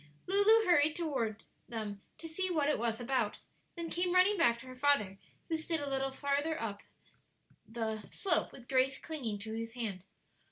Lulu hurried toward them to see what it was about, then came running back to her father, who stood a little farther up the slope, with Grace clinging to his hand.